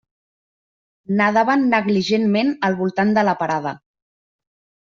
Nadaven negligentment al voltant de la parada.